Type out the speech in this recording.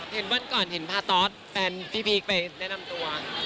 เห็นว่าก่อนพาท็อตแฟนพี่พีคไปแนะนำตัว